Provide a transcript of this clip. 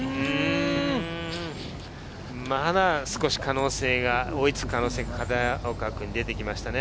まだ少し可能性、追いつく可能性、片岡君、出てきましたね。